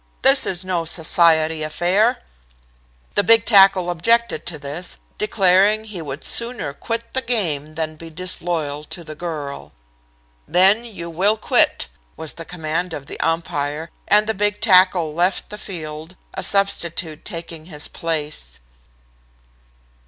'This is no society affair.' "The big tackle objected to this, declaring he would sooner quit the game than be disloyal to the girl. "'Then you will quit,' was the command of the umpire, and the big tackle left the field, a substitute taking his place."